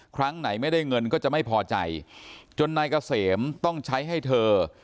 ครั้งไหนไม่ได้เงินก็จะไม่พอใจจนนายเกษมต้องใช้ให้เธอ